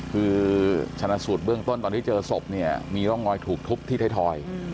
คือชนะสูตรเบื้องต้นตอนที่เจอศพเนี่ยมีร่องรอยถูกทุบที่ไทยทอย